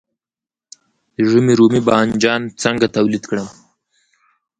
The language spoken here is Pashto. د ژمي رومي بانجان څنګه تولید کړم؟